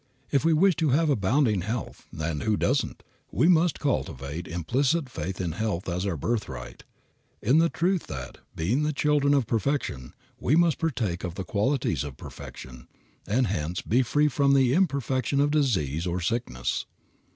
If we wish to have abounding health (and who does not?) we must cultivate implicit faith in health as our birthright, in the truth that, being the children of Perfection, we must partake of the qualities of perfection, and hence be free from the imperfection of disease or sickness.